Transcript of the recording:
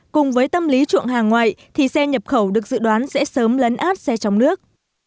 cùng với tâm lý chuộng hàng ngoại thì xe nhập khẩu được dự đoán sẽ sớm lấn át xe trong nước